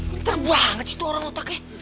pinter banget sih tuh orang otaknya